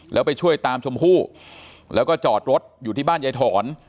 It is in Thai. แล้วไปช่วยตามชมพู่แล้วก็จอดรถอยู่ที่บ้านยายถอน